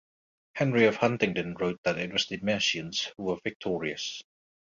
Henry of Huntingdon wrote that it was the Mercians who were victorius.